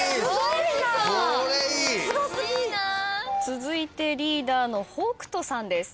続いてリーダーの北斗さんです。